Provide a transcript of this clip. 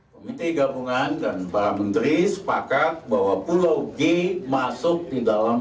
komite gabungan dan para menteri sepakat bahwa pulau g masuk di dalam